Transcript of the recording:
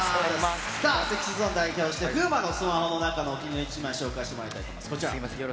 ＳｅｘｙＺｏｎｅを代表して、風磨のスマホの中のお気に入りの１枚、紹介してもらいたいと思います。